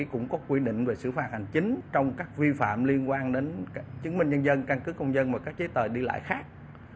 căn cứ công dân và các chế tờ đi lại khác